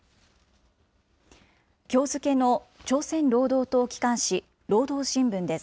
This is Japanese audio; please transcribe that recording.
きょう付けの朝鮮労働党機関紙、労働新聞です。